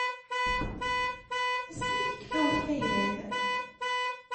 Asmi i yekfa ukayad.